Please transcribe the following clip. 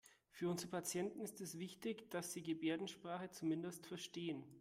Für unsere Patienten ist es wichtig, dass Sie Gebärdensprache zumindest verstehen.